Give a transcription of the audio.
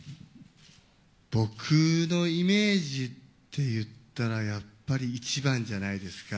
僕のイメージっていったら、やっぱり１番じゃないですか。